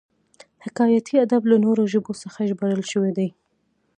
حکایتي ادب له نورو ژبو څخه ژباړل شوی دی